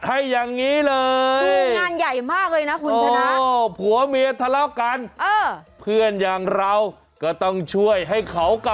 โอ้โฮแล้วแม่งหน่อยมา